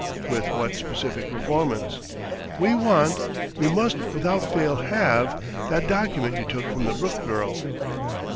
"With what specific performance?" "We want, we must without fail have, that document you took from the Brooke girl."